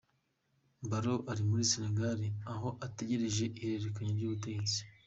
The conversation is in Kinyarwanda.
Barrow ari muri Senegal aho ategerereje ihererekanya ry’ubutegetsi.